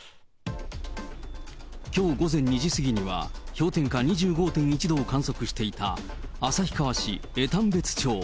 きょう午前２時過ぎには、氷点下２５．１度を観測していた旭川市江丹別町。